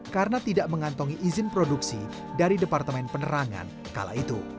karena tidak mengantongi izin produksi dari departemen penerangan kala itu